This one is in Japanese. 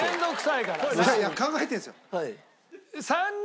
いや考えてるんですよ。